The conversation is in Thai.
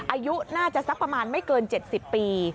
อายุน่าจะสักประมาณไม่เกิน๗๐ปี